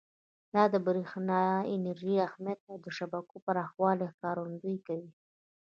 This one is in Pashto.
دا د برېښنا انرژۍ اهمیت او د شبکو پراخوالي ښکارندویي کوي.